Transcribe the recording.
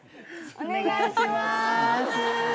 お願いしまーす。